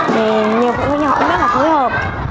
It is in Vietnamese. thì nhiều phụ huynh họ cũng rất là phối hợp